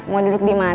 mau duduk dimana